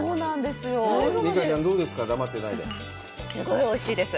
すごいおいしいです。